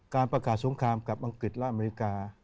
การประกาศสงครามกับอังกฤษและอเมริกา